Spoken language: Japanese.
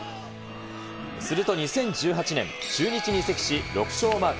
すると２０１８年、中日に移籍し、６勝をマーク。